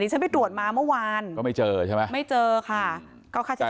นี่ฉันไปตรวจมาเมื่อวานก็ไม่เจอใช่ไหมไม่เจอค่ะ